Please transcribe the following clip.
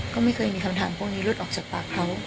ก็ไม่เคยมีคำถามพวกนี้หลุดออกจากปากเขา